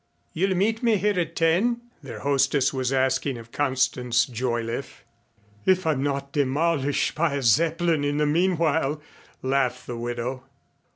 "You'll meet me here at ten?" their hostess was asking of Constance Joyliffe. "If I'm not demolished by a Zeppelin in the meanwhile," laughed the widow.